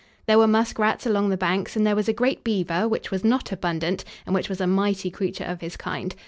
There were muskrats along the banks and there was a great beaver, which was not abundant, and which was a mighty creature of his kind.